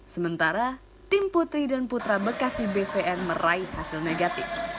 sementara tim putri dan putra bekasi bvn meraih hasil negatif